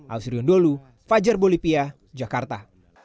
al siriun dulu fajar bolivia jakarta